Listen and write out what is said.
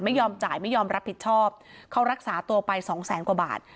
ไม่ยอมจ่ายไม่ยอมรับผิดชอบเขารักษาตัวไปสองแสนกว่าบาท